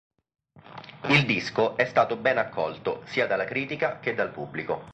Il disco è stato ben accolto sia dalla critica che dal pubblico.